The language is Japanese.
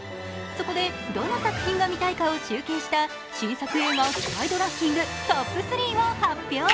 そこでどの作品が見たいかを集計した新作映画期待度ランキングトップ３を発表。